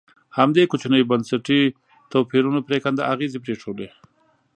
همدې کوچنیو بنسټي توپیرونو پرېکنده اغېزې پرېښودې.